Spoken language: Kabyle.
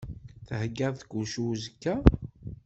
Theyyaḍ kullec i uzekka?